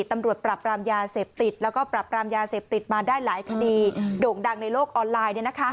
มาได้หลายคดีโด่งดังในโลกออนไลน์